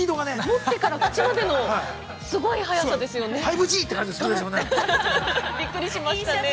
◆持ってから口までの、すごい速さですよね。